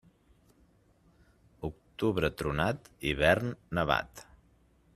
Octubre tronat, hivern nevat.